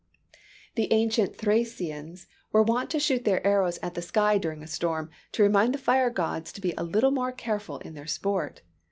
The ancient Thracians were wont to shoot their arrows at the sky during a storm, to remind the fire gods to be a little more careful in their sport.